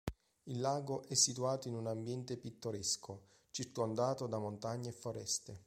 Il lago è situato in un ambiente pittoresco, circondato da montagne e foreste.